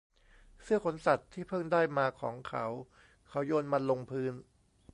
เสื้อขนสัตว์ที่เพิ่งได้มาของเขา เขาโยนมันลงพื้น